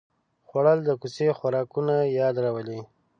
خوړل د کوڅې خوراکونو یاد راولي